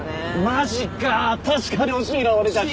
マジか確かに惜しいな俺たち